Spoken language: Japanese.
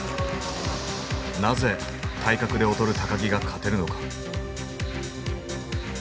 なぜ体格で劣る木が勝てるのか。